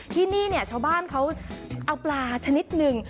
ที่นี่เนี่ยชาวบ้านเขาเอาปลาชนิดหนึ่ง